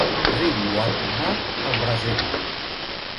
Riu Uatumã al Brasil.